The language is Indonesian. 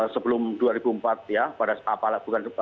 sebelum dua ribu empat ya pada saat